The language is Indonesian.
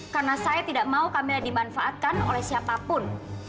karena saya tidak mau kamila dimanfaatkan oleh siapapun